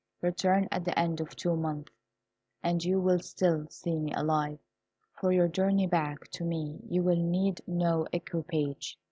Return at the end of two months, and you will still see me alive. For your journey back to me you will need no equipage.